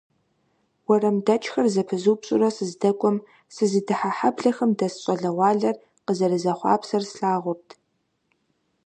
УэрамдэкӀхэр зэпызупщӀурэ сыздэкӀуэм, сызыдыхьэ хьэблэхэм дэс щӀалэгъуалэр къызэрызэхъуапсэр слъагъурт.